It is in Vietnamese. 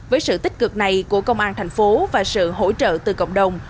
với sự tích cực này của công an thành phố và sự hỗ trợ từ cộng đồng